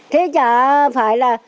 thế chả phải là